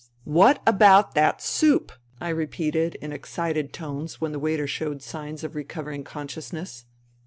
" What about that soup?" repeated in excited tones when the waiter showed signs of recovering con sciousness.